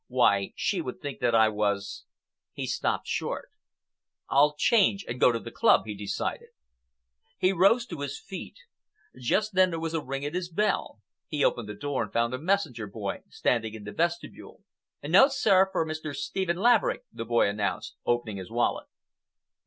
Why, she would think that I was—" He stopped short. "I'll change and go to the club," he decided. He rose to his feet. Just then there was a ring at his bell. He opened the door and found a messenger boy standing in the vestibule. "Note, sir, for Mr. Stephen Laverick," the boy announced, opening his wallet.